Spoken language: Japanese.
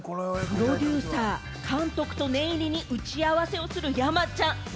プロデューサー、監督と念入りに打ち合わせをする山ちゃん。